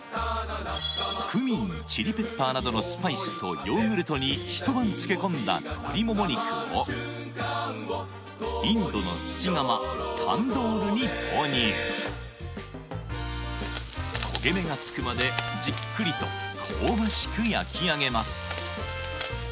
クミンチリペッパーなどのスパイスとヨーグルトに一晩漬け込んだ鶏もも肉をインドの土窯タンドールに投入焦げ目がつくまでじっくりと香ばしく焼き上げます